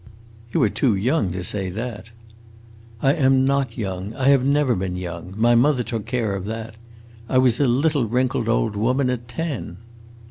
"You are too young to say that." "I am not young; I have never been young! My mother took care of that. I was a little wrinkled old woman at ten."